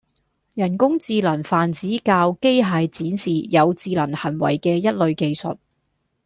人工智能泛指教機械展示有智能行為嘅一類技術